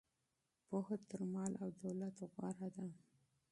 پوهه تر مال او دولت غوره ده.